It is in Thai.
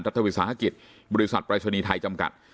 รัฐวิทยาศาสตร์ฯภักดิ์บริษัทปรัชนีไทยจำกัด